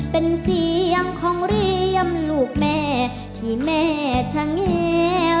เป็นเสียงของเรียมลูกแม่ที่แม่ชะแงว